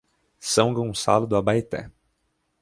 São Gonçalo do Abaeté